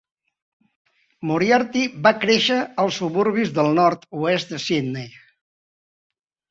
Moriarty va créixer als suburbis del nord-oest de Sydney.